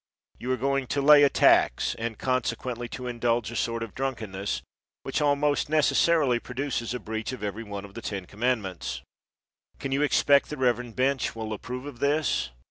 You are going to lay a tax, and consequently to indulge a sort of drunkenness, which almost necessarily produces a breach of every one of the ten commandments. Can you expect the reverend bench will approve of this?